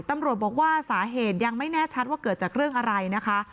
ตำรวจบอกว่าสาเหตุยังไม่แน่ชัดว่าเกิดจากเรื่องอะไรนะคะ